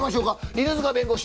犬塚弁護士」。